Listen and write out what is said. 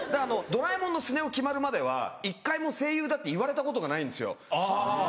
『ドラえもん』のスネ夫決まるまでは１回も「声優だ」って言われたことがないんですよ。